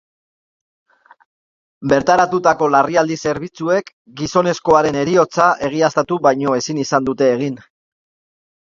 Bertaratutako larrialdi zerbitzuek gizonezkoaren heriotza egiaztatu baino ezin izan dute egin.